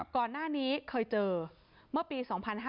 ก่อนหน้านี้เคยเจอเมื่อปี๒๕๕๙